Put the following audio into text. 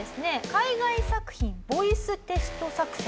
「“海外作品ボイステスト”作戦」。